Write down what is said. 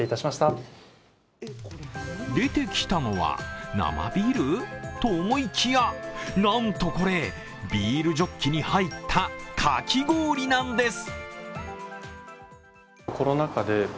出てきたのは生ビールと思いきや、なんとこれ、ビールジョッキに入ったかき氷なんです。